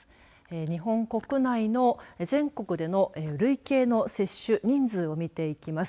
日本国内の全国での累計の接種人数を見ていきます。